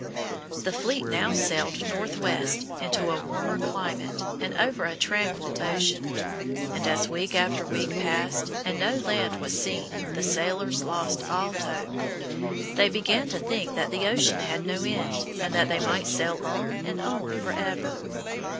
The fleet now sailed northwest into a warmer climate and over a tranquil ocean, and as week after week passed and no land was seen, the sailors lost all hope. They began to think that this ocean had no end, and that they might sail on and on forever.